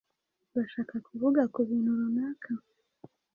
Urashaka kuvuga kubintu runaka?